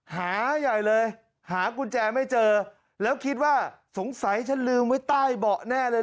หาใหญ่เลยหากุญแจไม่เจอแล้วคิดว่าสงสัยฉันลืมไว้ใต้เบาะแน่เลย